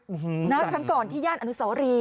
ครั้งก่อนที่ย่านอนุสวรี